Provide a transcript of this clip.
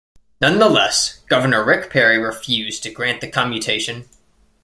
Nonetheless, Governor Rick Perry refused to grant the commutation.